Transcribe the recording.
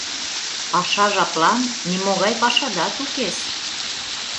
Паша жаплан нимогай пашадат укес.